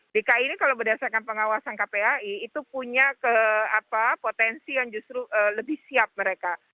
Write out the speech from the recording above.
dki ini kalau berdasarkan pengawasan kpai itu punya potensi yang justru lebih siap mereka